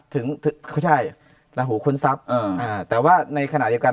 ถึงใช่ลาหูคนทรัพย์อืมอ่าแต่ว่าในขณะเดียวกัน